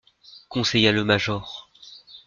Conseilla le major.